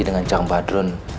dengan cang badrun